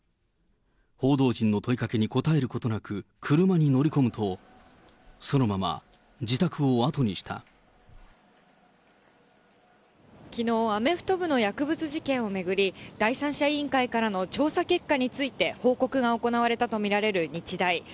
報道陣の問いかけに答えることなく車に乗り込むと、そのまま、自きのう、アメフト部の薬物事件を巡り、第三者委員会からの調査結果について報告が行われたと見られる日大。